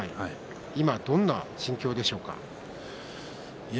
今どんな心境でしょうか？